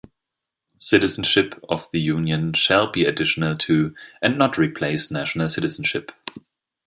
Citizenship of the Union shall be additional to and not replace national citizenship.